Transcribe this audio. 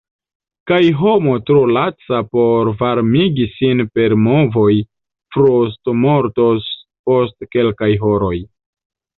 Kaj homo tro laca por varmigi sin per movoj frostmortos post kelkaj horoj.